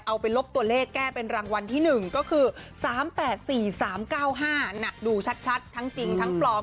เอาไปลบตัวเลขแก้เป็นรางวัลที่๑ก็คือ๓๘๔๓๙๕ดูชัดทั้งจริงทั้งปลอม